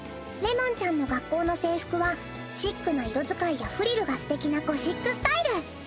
れもんちゃんの学校の制服はシックな色使いやフリルがすてきなゴシックスタイル。